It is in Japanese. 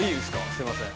すいません